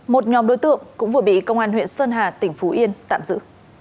một nhóm đối tượng cũng vừa bị công an huyện sơn hà tỉnh phú yên tạm giữ